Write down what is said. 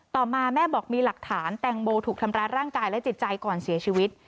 ต่อมาแม่บอกมีหลักฐานแตงโมถูกทำร้ายร่างกายและจิตใจก่อนเสียชีวิต